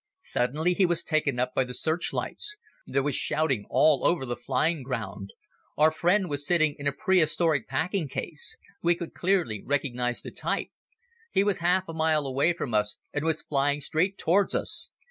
Suddenly he was taken up by the searchlights. There was shouting all over the flying ground. Our friend was sitting in a prehistoric packing case. We could clearly recognize the type. He was half a mile away from us and was flying straight towards us.